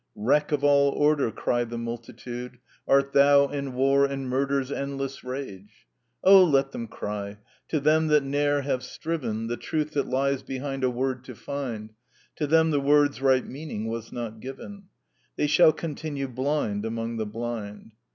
"Wreck of all order," cry the multitude, "Art thou, and war and murder's endless rage." O, let them cry. To them that ne'er have striven The truth that lies behind a word to find, To them the word's right meaning was not given. They shall continue blind among the blind.